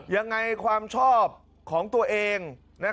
ยังไงความชอบของตัวเอง